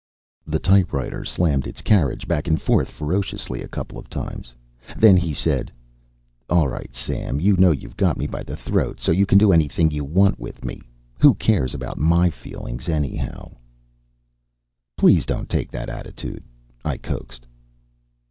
The typewriter slammed its carriage back and forth ferociously a couple of times. Then he said: ALL RIGHT SAM YOU KNOW YOUVE GOT ME BY THE THROAT SO YOU CAN DO ANYTHING YOU WANT TO WITH ME WHO CARES ABOUT MY FEELINGS ANYHOW "Please don't take that attitude," I coaxed.